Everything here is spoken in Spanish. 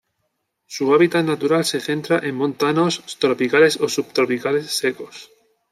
Su hábitat natural se centra en montanos tropicales o subtropicales secos.